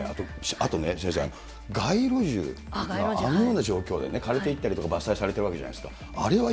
あとね、先生、街路樹、あのような状況でね、枯れていったりとか、伐採されたりとかしてるわけじゃないですか。